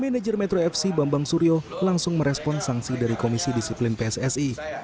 manajer metro fc bambang suryo langsung merespon sanksi dari komisi disiplin pssi